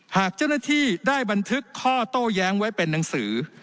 หากเจ้าหน้าที่ได้บันทึกข้อโต้แย้งไว้เป็นหนังสือ